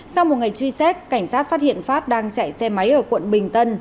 sau một ngày truy xét cảnh sát phát hiện phát đang chạy xe máy ở quận bình tân